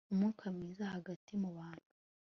umwuka mwiza hagati mu bantu